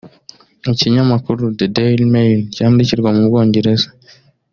Ikinyamakuru 'The Daily Mail' cyandikirwa mu Bwongereza